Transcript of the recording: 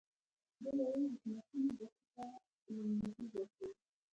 ده وویل حکومتونه ګټو ته لومړیتوب ورکوي.